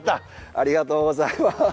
ありがとうございます。